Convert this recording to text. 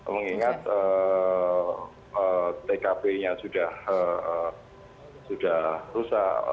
mengingat tkp nya sudah rusak